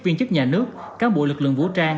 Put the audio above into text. viên chức nhà nước cán bộ lực lượng vũ trang